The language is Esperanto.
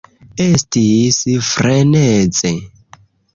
Estis freneze